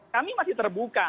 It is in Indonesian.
kami masih terbuka